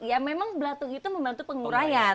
ya memang belatung itu membantu pengurayan